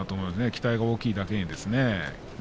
期待が大きいだけにね。